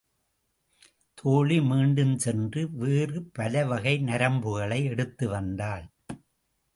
தோழி மீண்டும் சென்று வேறு பலவகை நரம்புகளை எடுத்து வந்தாள்.